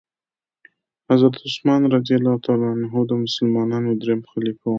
حضرت عثمان رضي الله تعالی عنه د مسلمانانو دريم خليفه وو.